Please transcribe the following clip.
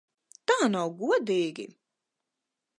Tā nav godīgi!